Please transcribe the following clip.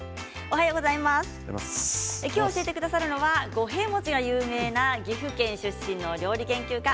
今日、教えてくださるのは五平餅が有名な岐阜県出身の料理研究家